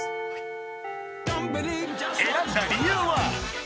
選んだ理由は？